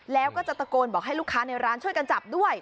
แล้วก็จะตะโกนบอกให้ลูกค้าในร้านช่วยกันจับด้วย